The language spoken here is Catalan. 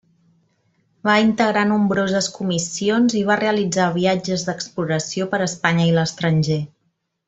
Va integrar nombroses comissions i va realitzar viatges d'exploració per Espanya i l'estranger.